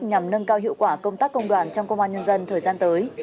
nhằm nâng cao hiệu quả công tác công đoàn trong công an nhân dân thời gian tới